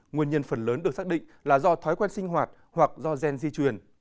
nguyên nhân phần lớn được xác định là do thói quen sinh hoạt hoặc do gen di truyền